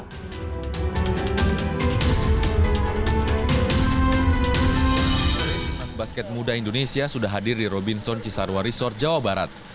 timnas basket muda indonesia sudah hadir di robinson cisarua resort jawa barat